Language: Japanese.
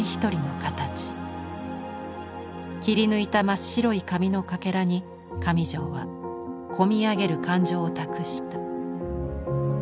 切り抜いた真っ白い紙のかけらに上條は込み上げる感情を託した。